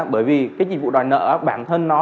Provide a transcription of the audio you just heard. bởi vì cái dịch vụ đòi nợ bản thân nó